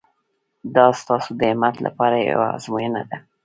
دا ستاسو د همت لپاره یوه ازموینه ده.